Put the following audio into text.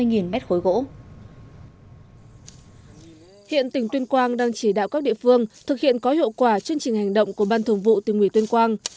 hiện tỉnh tuyên quang đang chỉ đạo các địa phương thực hiện có hiệu quả chương trình hành động của ban thường vụ tỉnh ủy tuyên quang